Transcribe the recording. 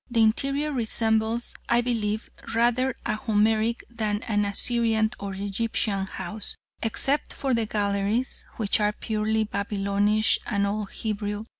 The interior resembles, I believe, rather a Homeric, than an Assyrian or Egyptian house except for the 'galleries,' which are purely Babylonish and Old Hebrew.